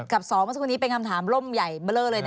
กับสองนี้เป็นคำถามล่มใหญ่เบอร์เลย